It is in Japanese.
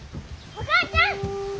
お母ちゃん！